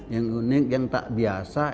yang unik yang tak biasa